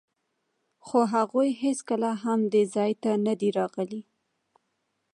خو هغوی هېڅکله هم دې ځای ته نه دي راغلي.